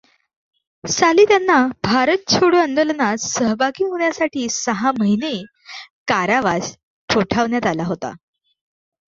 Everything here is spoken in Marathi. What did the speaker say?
साली त्यांना भारत छोडो आंदोलनात सहभागी होण्यासाठी सहा महिने कारावास ठोठावण्यात आला होता.